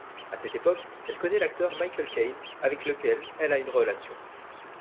À cette époque, elle connaît l'acteur Michael Caine, avec lequel elle a une relation.